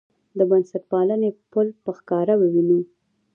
د بنسټپالنې پل په ښکاره ووینو.